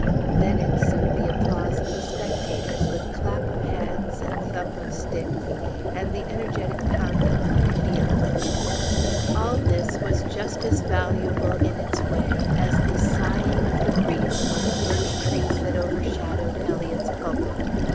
Then ensued the applause of the spectators, with clap of hands and thump of sticks, and the energetic pounding of their heels. All this was just as valuable, in its way, as the sighing of the breeze among the birch trees that overshadowed Eliot's pulpit.